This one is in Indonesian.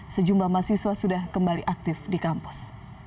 sejumlah mahasiswa sudah kembali aktif di kampus